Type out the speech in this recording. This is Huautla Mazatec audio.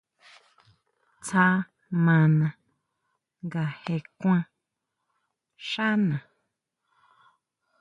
Tsja mana nga je kuan xána.